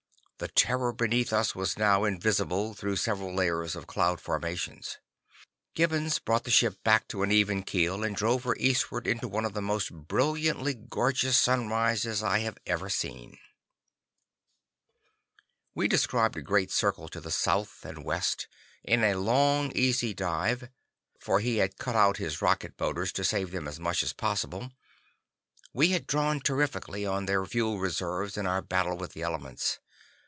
The terror beneath us was now invisible through several layers of cloud formations. Gibbons brought the ship back to an even keel, and drove her eastward into one of the most brilliantly gorgeous sunrises I have ever seen. We described a great circle to the south and west, in a long easy dive, for he had cut out his rocket motors to save them as much as possible. We had drawn terrifically on their fuel reserves in our battle with the elements.